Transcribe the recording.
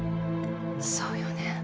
そうよね。